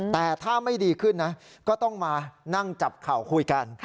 แต่ถ้าไม่ดีขึ้นนะก็ต้องมานั่งจับเข่าคุยกัน